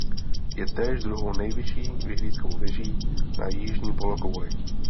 Je též druhou nejvyšší vyhlídkovou věží na jižní polokouli.